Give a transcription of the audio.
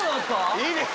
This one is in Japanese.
いいです！